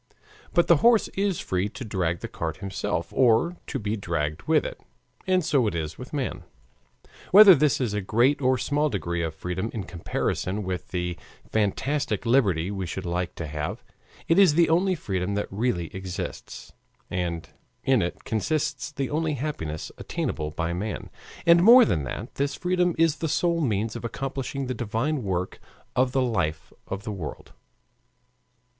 But the horse is free to drag the cart himself or to be dragged with it. And so it is with man. Whether this is a great or small degree of freedom in comparison with the fantastic liberty we should like to have, it is the only freedom that really exists, and in it consists the only happiness attainable by man. And more than that, this freedom is the sole means of accomplishing the divine work of the life of the world.